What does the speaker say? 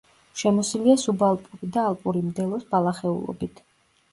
შემოსილია სუბალპური და ალპური მდელოს ბალახეულობით.